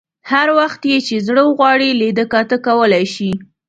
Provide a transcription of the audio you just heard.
هر وخت یې چې زړه وغواړي لیده کاته کولای شي.